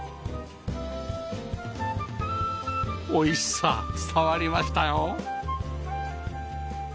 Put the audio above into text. おいしさ伝わりましたよ